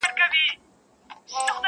په دربار کي که ولاړ ډنډه ماران وه٫